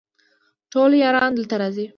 ټول یاران دلته راځي